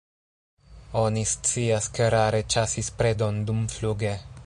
Oni scias, ke rare ĉasis predon dumfluge.